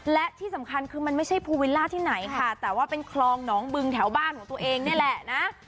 และที่สำคัญคือมันไม่ใช่ภูวิลล่าที่ไหนค่ะแต่ว่าเป็นคลองหนองบึงแถวบ้านของตัวเองนี่แหละนะ